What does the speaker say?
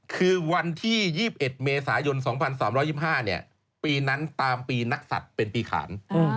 คือวันที่๒๑เมษายน๒๓๒๕ปีนั้นตามปีนักศัตริย์เป็นปีขาน